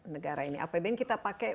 negara ini apbn kita pakai